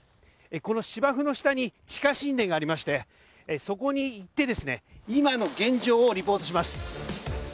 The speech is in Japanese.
この芝生の下に地下神殿がありましてそこに行って今の現状をリポートします。